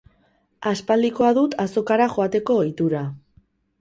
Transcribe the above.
Aspaldikoa dut azokara joateko ohitura.